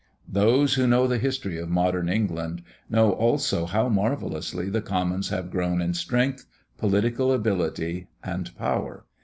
Those who know the history of modern England, know also how marvellously the Commons have grown in strength, political ability, and power.